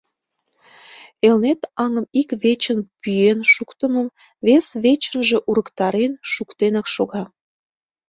Элнет аҥым, ик вечын пӱен шуктымым, вес вечынже урыктарен шуктенак шога.